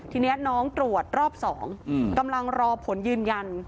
ทีนี้น้องตรวจรอบ๒กำลังรอผลยืนยัน